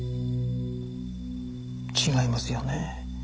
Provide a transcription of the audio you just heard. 違いますよね。